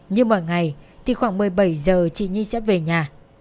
như mọi ngày thì khoảng một mươi bảy giờ chị nhi sẽ về nhà